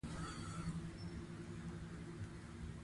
عطایي د ټولنې دردونه په شاعرۍ کې انځور کړي دي.